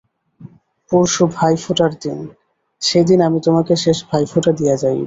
পরশু ভাইফোঁটার দিন, সেদিন আমি তোমাকে শেষ ভাইফোঁটা দিয়া যাইব।